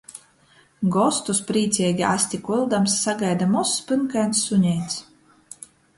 Gostus, prīceigi asti kuldams, sagaida mozs, pynkains suneits.